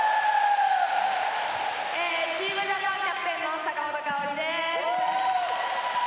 チームジャパンキャプテンの坂本花織です。